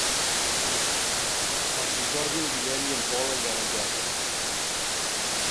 Per Sant Jordi en Guillem i en Pol aniran al teatre.